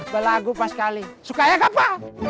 belagu pas kali suka ya kapa